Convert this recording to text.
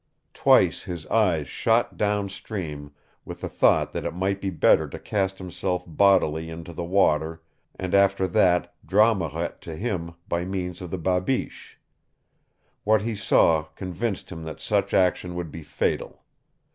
Twice his eyes shot down stream, with the thought that it might be better to cast himself bodily into the water, and after that draw Marette to him by means of the babiche. What he saw convinced him that such action would be fatal.